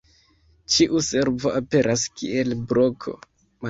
Ĉiu servo aperas kiel bloko.